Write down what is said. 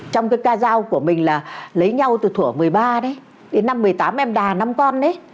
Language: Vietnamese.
trong cái ca giao của mình là lấy nhau từ thủa một mươi ba đấy đến năm một mươi tám em đà năm con đấy